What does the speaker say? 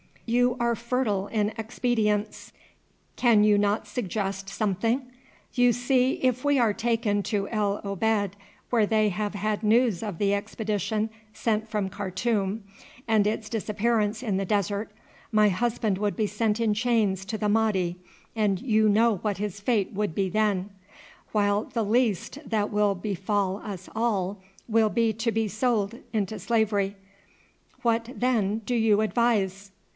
"You are fertile in expedients. Can you not suggest some thing? You see if we are taken to El Obeid, where they have had news of the expedition sent from Khartoum, and its disappearance in the desert, my husband would be sent in chains to the Mahdi, and you know what his fate would then be, while the least that will befall us all will be to be sold into slavery. What then do you advise?"